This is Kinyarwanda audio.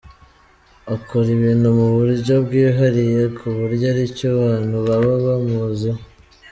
Akora ibintu mu buryo bwihariye ku buryo ari cyo abantu baba bamuziho.